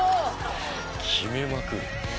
決めまくる？